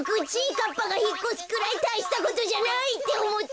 かっぱがひっこすくらいたいしたことじゃないっておもってた。